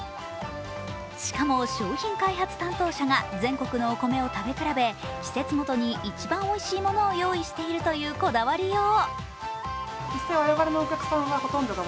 しかも商品開発担当者が全国のお米を食べ比べ季節ごとに一番おいしいものを用意しているというこだわりよう。